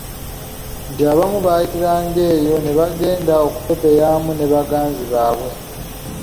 Nti abamu baayitiranga eyo ne bagenda okupepeyaamu ne baganzi baabwe.